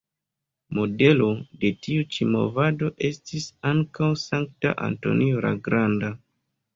Modelo de tiu ĉi movado estis ankaŭ Sankta Antonio la Granda.